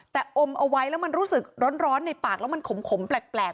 แต่อมเอาไว้แล้วมันรู้สึกร้อนในปากแล้วมันขมแปลก